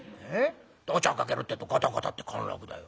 でお茶をかけるってえとガタガタって陥落だよ。